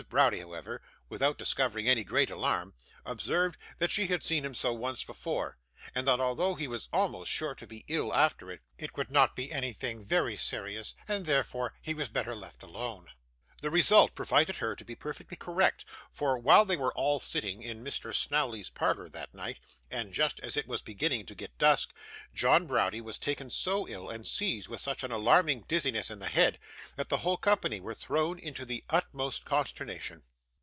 Browdie, however, without discovering any great alarm, observed that she had seen him so once before, and that although he was almost sure to be ill after it, it would not be anything very serious, and therefore he was better left alone. The result proved her to be perfectly correct for, while they were all sitting in Mr. Snawley's parlour that night, and just as it was beginning to get dusk, John Browdie was taken so ill, and seized with such an alarming dizziness in the head, that the whole company were thrown into the utmost consternation.